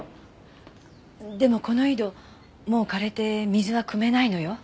でもこの井戸もう枯れて水はくめないのよ。